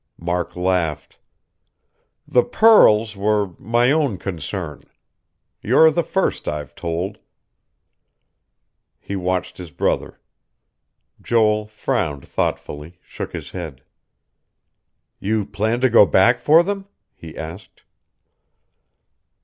Mark laughed. "The pearls were my own concern. You're the first I've told." He watched his brother. Joel frowned thoughtfully, shook his head. "You plan to go back for them?" he asked.